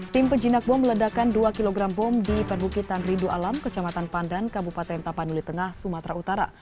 tim penjinak bom meledakan dua kg bom di perbukitan rindu alam kecamatan pandan kabupaten tapanuli tengah sumatera utara